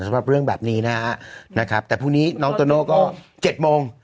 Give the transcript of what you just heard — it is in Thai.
สำหรับเรื่องแบบนี้นะฮะนะครับแต่พรุ่งนี้น้องโตโน่ก็๗โมง